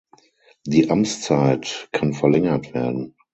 Die Amtszeit kann verlängert werden.